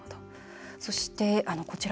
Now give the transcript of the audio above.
そして、こちら。